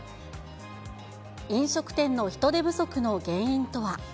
飲食店の人手不足の原因とは。